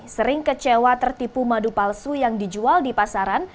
sering kecewa tertipu madu palsu yang dijual di pasaran